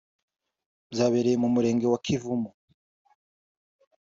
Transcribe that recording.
Byabereye mu murenge wa Kivumu